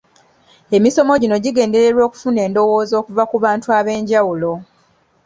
Emisomo gino gigendererwa okufuna endowooza okuva ku bantu ab'enjawulo.